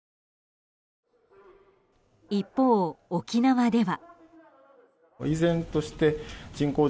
一方、沖縄では。